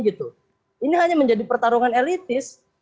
ini hanya menjadi pertarungan elitis